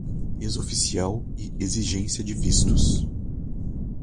ex-oficial e exigência de vistos